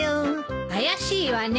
怪しいわね！